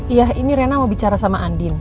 iya ini rena mau bicara sama andin